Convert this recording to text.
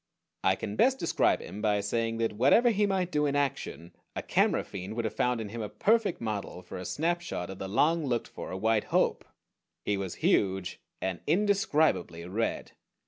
I can best describe him by saying that whatever he might do in action, a camera fiend would have found in him a perfect model for a snapshot of the long looked for White Hope. He was huge and indescribably red.